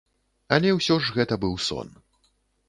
Але ўсё ж гэта быў сон.